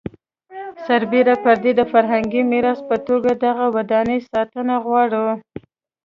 سربېره پر دې د فرهنګي میراث په توګه دغه ودانۍ ساتنه وغواړو.